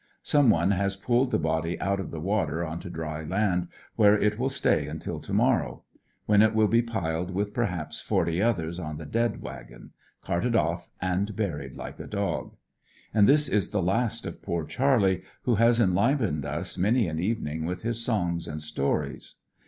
Some one has pulled the body out of the water on to dry land where it will stay until to morrow, when it will be piled with perhaps forty others on the dead wagon, carted off and buried like a dog. And this is the last of poor Charlie, who has enlivened us many an evening with his songs and stories.